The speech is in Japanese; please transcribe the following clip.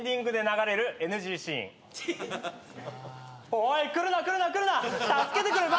おい来るな来るな来るな！